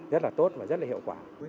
rất là tốt và rất là hiệu quả